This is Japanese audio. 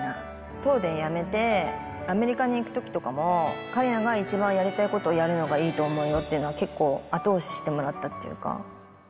東電辞めて、アメリカに行くときとかも、桂里奈が一番やりたいことをやるのがいいと思うよっていうのは、結構、後押ししてもらったっていうか。